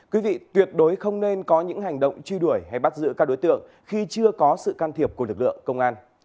quý vị tuyệt đối không nên có những hành động truy đuổi hay bắt giữ các đối tượng khi chưa có sự can thiệp của lực lượng công an